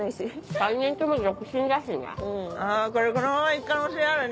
３人とも独身だしね。